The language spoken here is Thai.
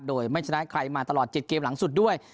โดยไม่ชนะใครมาตลอด๗เกมหลังสุดด้วย